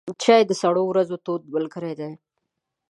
چای د سړو ورځو تود ملګری دی.